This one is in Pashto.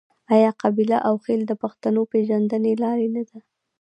آیا قبیله او خیل د پښتنو د پیژندنې لار نه ده؟